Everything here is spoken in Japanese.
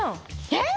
えっ？